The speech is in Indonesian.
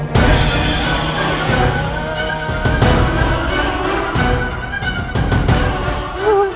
kenapa jadi seperti ini